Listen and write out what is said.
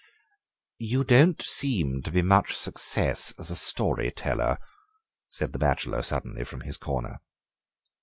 "You don't seem to be a success as a story teller," said the bachelor suddenly from his corner.